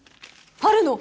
あるの！？